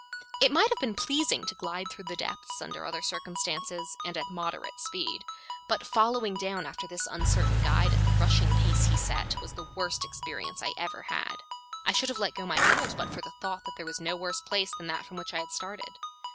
It might have been pleasing to glide through the depths under other circumstances and at moderate speed; but following down after this uncertain guide at the rushing pace he set was the worst experience I ever had. I should have let go my hold but for the thought that there was no worse place than that from which I had started.